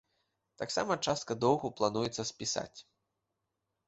Таксама частка доўгу плануецца спісаць.